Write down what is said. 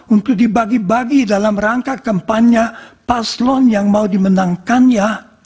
untuk dibagi bagi dalam rangka kampanye paslon yang mau dimenangkannya